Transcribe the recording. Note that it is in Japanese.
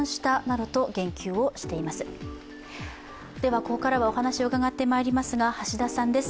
ここからはお話を伺ってまいりますが、橋田さんです。